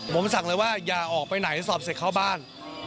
ผมสั่งเลยว่าอย่าออกไปไหนสอบเสร็จเข้าบ้าน